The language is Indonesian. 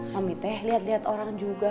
mami teh liat liat orang juga